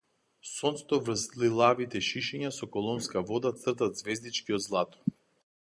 Сонцето врз лилавите шишиња со колонска вода црта ѕвездички од злато.